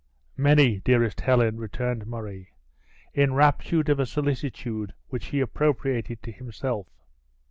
"Many, dearest Helen," returned Murray, enraptured at a solicitude which he appropriated to himself.